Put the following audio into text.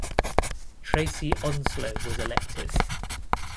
Tracey Onslow was elected.